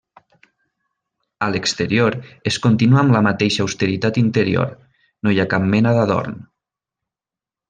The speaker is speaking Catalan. A l'exterior, es continua amb la mateixa austeritat interior, no hi ha cap mena d'adorn.